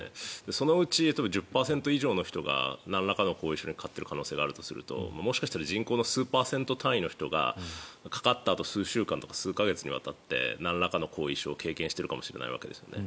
そのうち１０％以上の人がなんらかの後遺症にかかっている可能性があるとするともしかしたら人口の数パーセント単位の人がかかったあと数週間とか数か月にわたってなんらかの後遺症を経験しているかもしれないですね。